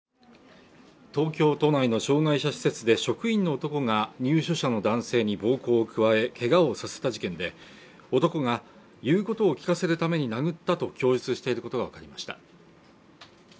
東京都内の障害者施設で職員の男が入所者の男性に暴行を加えけがをさせた事件で男が言うことを聞かせるために殴ったと供述していることが分かりました